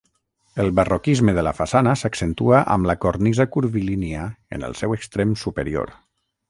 El barroquisme de la façana s'accentua amb la cornisa curvilínia en el seu extrem superior.